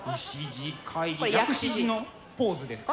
薬師寺のポーズですか？